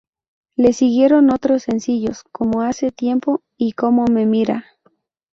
Le siguieron otros sencillos como "Hace tiempo" y "Cómo me mira".